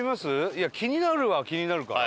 いや気になるは気になるから。